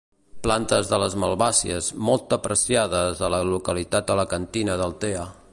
Plantes de les malvàcies molt apreciades a la localitat alacantina d'Altea.